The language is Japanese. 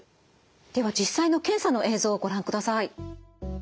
では実際の検査の映像をご覧ください。